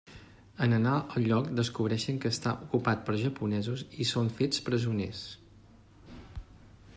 En anar al lloc descobreixen que està ocupat per japonesos i són fets presoners.